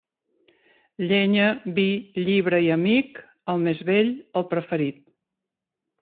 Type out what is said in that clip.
Llenya, vi, llibre i amic, el més vell, el preferit.